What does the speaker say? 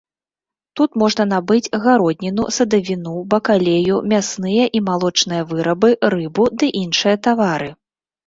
Тут можна набыць гародніну, садавіну, бакалею, мясныя і малочныя вырабы, рыбу ды іншыя тавары.